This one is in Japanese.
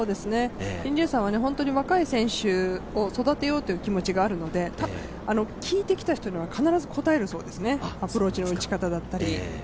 シン・ジエさんは本当に若い選手を育てようという気持ちがあるので、聞いてきた人には必ず答えるそうですね、アプローチの打ち方だったり。